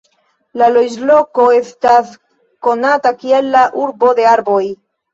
La loĝloko estas konata kiel la "Urbo de Arboj".